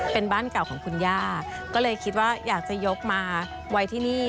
เป็นบ้านเก่าของคุณย่าก็เลยคิดว่าอยากจะยกมาไว้ที่นี่